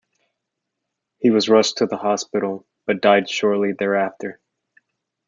He was rushed to the hospital, but died shortly thereafter.